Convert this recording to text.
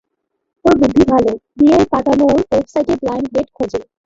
ওর বুদ্ধি ভালো, বিয়ের পাতানোর ওয়েবসাইটে ব্লাইন্ড ডেট খোঁজে।